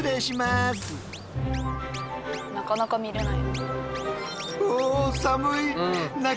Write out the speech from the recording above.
なかなか見れない。